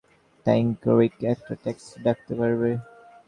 Thanks Rick, একটা taxi ডাকতে পারবে?